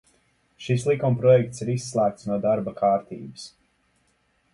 Šis likumprojekts ir izslēgts no darba kārtības.